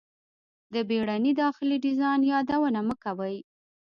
د بیړني داخلي ډیزاین یادونه مه کوئ